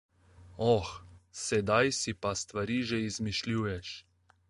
Oh, sedaj si pa stvari že izmišljuješ.